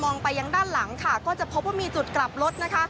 ไปยังด้านหลังค่ะก็จะพบว่ามีจุดกลับรถนะคะ